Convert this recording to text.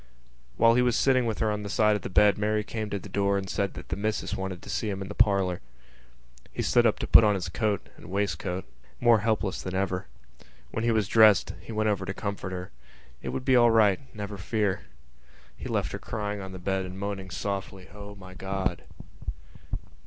While he was sitting with her on the side of the bed Mary came to the door and said that the missus wanted to see him in the parlour. He stood up to put on his coat and waistcoat, more helpless than ever. When he was dressed he went over to her to comfort her. It would be all right, never fear. He left her crying on the bed and moaning softly: _"O my God!"